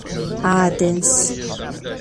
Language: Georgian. აადენს